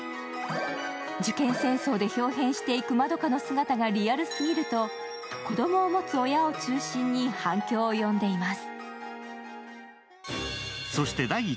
受験戦争でひょう変していく円佳の姿がリアル過ぎると子供を持つ親を中心に反響を呼んでいます。